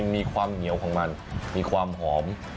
มีความเหนียวของมันมีความหอม